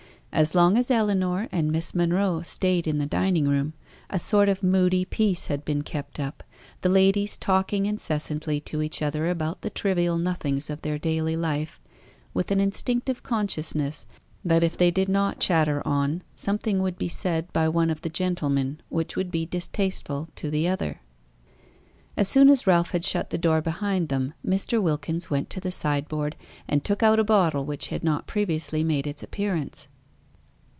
As long as Ellinor and Miss Monro stayed in the dining room, a sort of moody peace had been kept up, the ladies talking incessantly to each other about the trivial nothings of their daily life, with an instinctive consciousness that if they did not chatter on, something would be said by one of the gentlemen which would be distasteful to the other. As soon as Ralph had shut the door behind them, Mr. Wilkins went to the sideboard, and took out a bottle which had not previously made its appearance.